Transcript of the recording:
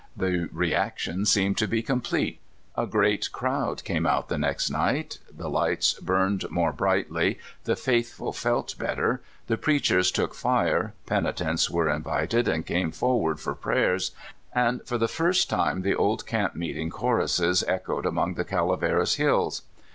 The reaction seem.ed to be com^plete. A great crowd came out next night, the lights burned more brightly, tlie faithful felt better, the preachers took fire, penitents were invited and came forward for prayers, and for the first time the old camp meet ing choruses echoed among the Calaveras hills.